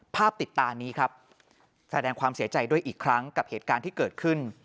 ภาพติดตานี้ครับแสดงความเสียใจด้วยอีกครั้งกับเหตุการณ์ที่เกิดขึ้น